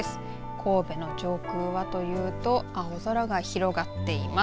神戸の上空はというと青空が広がっています。